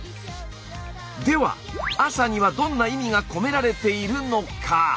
では「朝」にはどんな意味が込められているのか？